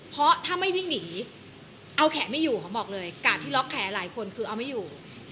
เพราะถ้าไม่วิ่งหนีเอาแขนไม่อยู่เขาบอกเลยกาดที่ล็อกแขนหลายคนคือเอาไม่อยู่